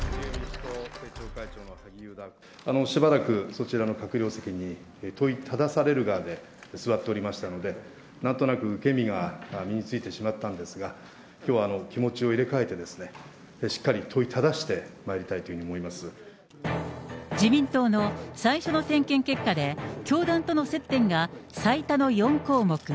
しばらくそちらの閣僚席に問いただされる側で座っておりましたので、なんとなく受け身がしみついてしまったんですが、きょうは気持ちを入れ替えてですね、しっかり問いただしてまいりたいというふう自民党の最初の点検結果で、教団との接点が最多の４項目。